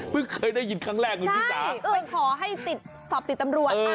เพิ่งเคยได้ยินครั้งแรกอยู่ที่จ๋าเออใช่มันขอให้ติดสอบติดตำรวจ